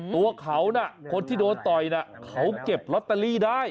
ตัวเขาน่ะคนที่โดนต่อยน่ะเขาเก็บลอตเตอรี่ได้